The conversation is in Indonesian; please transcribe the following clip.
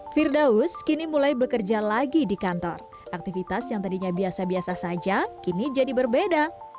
firdaus kini mulai bekerja lagi di kantor aktivitas yang tadinya biasa biasa saja kini jadi berbeda